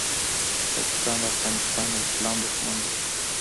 پاکستان د افغانستان او اسلام دوښمن دی